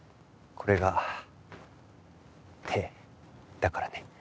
これが「て」だからね。